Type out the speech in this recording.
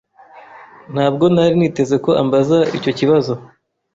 Ntabwo nari niteze ko ambaza icyo kibazo.